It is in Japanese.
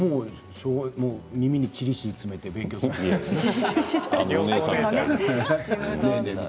耳に、ちり紙を詰めて勉強するとかね。